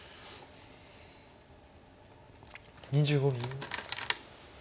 ２５秒。